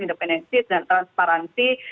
independensi dan transparansi